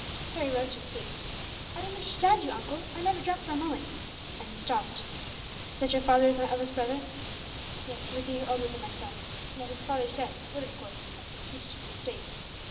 Harry rose to his feet. "I don't understand you, uncle. I never dreamt for a moment " and he stopped. "That your father was my eldest brother. Yes, he was a year older than myself; and at his father's death would, of course, have succeeded to the estate.